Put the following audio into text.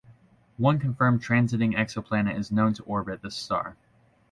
One confirmed transiting exoplanet is known to orbit this star.